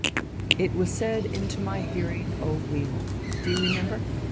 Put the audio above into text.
^^ It was said unto it in my hearing, O Wheel." Do you remember?